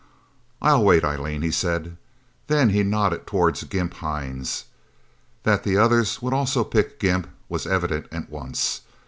"I'll wait, Eileen," he said. Then he nodded toward Gimp Hines. That the others would also pick Gimp was evident at once.